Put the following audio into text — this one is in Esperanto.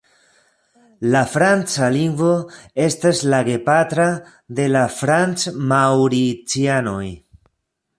La franca lingvo estas la gepatra de la franc-maŭricianoj.